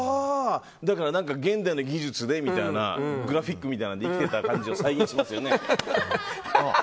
現代の技術でみたいなグラフィックみたいな感じで生きてた感じを再現しますよね。